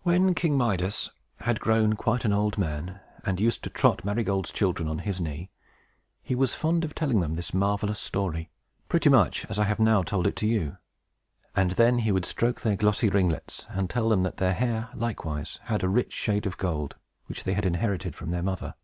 When King Midas had grown quite an old man, and used to trot Marygold's children on his knee, he was fond of telling them this marvelous story, pretty much as I have now told it to you. And then would he stroke their glossy ringlets, and tell them that their hair, likewise, had a rich shade of gold, which they had inherited from their mother.